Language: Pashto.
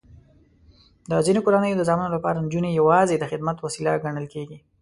د ځینو کورنیو د زامنو لپاره نجونې یواځې د خدمت وسیله ګڼل کېږي.